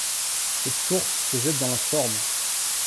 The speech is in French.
Cette source se jette dans la Sorne.